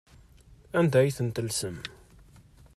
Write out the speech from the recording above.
Anda ay ten-tellsem?